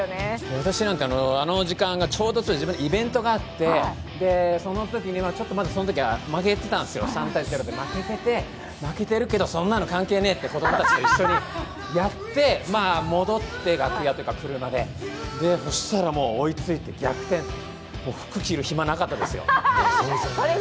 私なんかあの時間がちょうどイベントがあって、そのときにちょっとまだそのときは３−０で負けていて、そんなの関係ねえと子供たちとやって戻って楽屋とか車で、そしたら追いついて逆転、服着る暇なかったですよ。